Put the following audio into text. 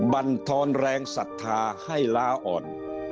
บรรทอนแรงศรัทธาให้ล้าอ่อน